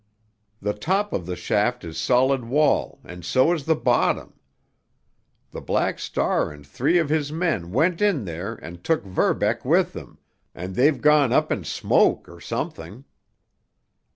The top of the shaft is solid wall, and so is the bottom. The Black Star and three of his men went in there and took Verbeck with them, and they've gone up in smoke or something!"